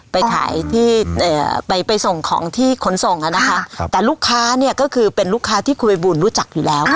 ไปขายที่ไปไปส่งของที่ขนส่งอ่ะนะคะครับแต่ลูกค้าเนี่ยก็คือเป็นลูกค้าที่คุยบุญรู้จักอยู่แล้ว